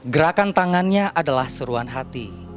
gerakan tangannya adalah seruan hati